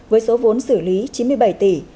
với số vốn xử lý chín mươi bảy tỷ